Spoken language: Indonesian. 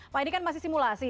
pak ini kan masih simulasi